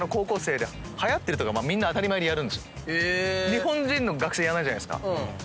日本人の学生やらないじゃないですか。